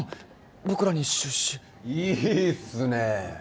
僕らに出資いいっすね